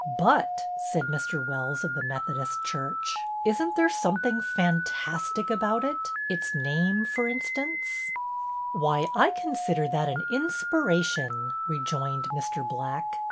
" But," said Mr. Wells of the Methodist church, " is n't there something fantastic about it, its name, for instance.'*" 212 BETTY BAIRD " Why, I consider that an inspiration," re joined Mr. Black.